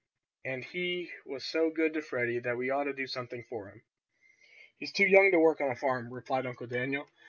And he was so good to Freddie that we ought to do something for him." "He's too young to work on a farm," replied Uncle Daniel.